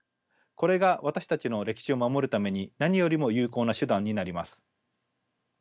これが私たちの歴史を守るために何よりも有効な手段になります。